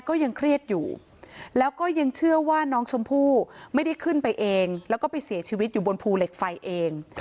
ก็ยังเครียดอยู่แล้วก็ยังเชื่อว่าน้องชมพู่ไม่ได้ขึ้นไปเองแล้วก็ไปเสียชีวิตอยู่บนภูเหล็กไฟเอง